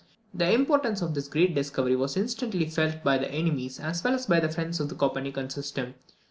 The importance of this great discovery was instantly felt by the enemies as well as by the friends of the Copernican system.